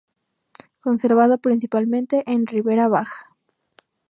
Conservado principalmente en Ribera Baja.